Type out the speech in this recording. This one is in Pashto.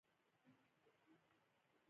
په دې ډول هیڅکله دوام نشي کولې